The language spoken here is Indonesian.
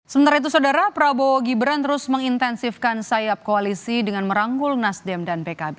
sementara itu saudara prabowo gibran terus mengintensifkan sayap koalisi dengan merangkul nasdem dan pkb